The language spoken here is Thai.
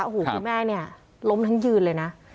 หูคือแม่เนี่ยล้มทั้งยืนเลยนะ